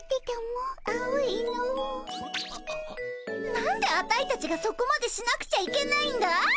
何でアタイたちがそこまでしなくちゃいけないんだい。